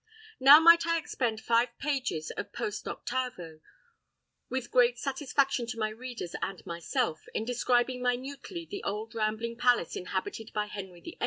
Now might I expend five pages of post octavo, with great satisfaction to my readers and myself, in describing minutely the old rambling palace inhabited by Henry VIII.